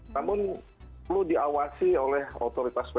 namun perlu diawasi oleh otoritas